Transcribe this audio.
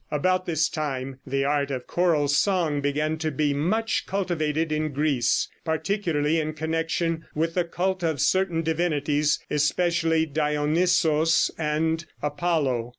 About this time the art of choral song began to be much cultivated in Greece, particularly in connection with the cult of certain divinities, especially Dionysos and Apollo.